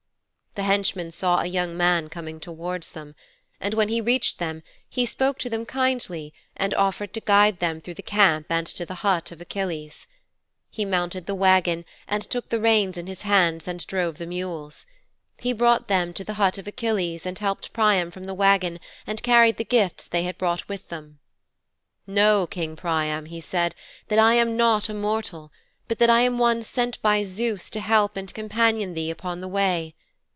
'The henchman saw a young man coming towards them. And when he reached them he spoke to them kindly and offered to guide them through the camp and to the hut of Achilles. He mounted the wagon and took the reins in his hands and drove the mules. He brought them to the hut of Achilles and helped Priam from the wagon and carried the gifts they had brought within the hut. "Know, King Priam," he said, "that I am not a mortal, but that I am one sent by Zeus to help and companion thee upon the way.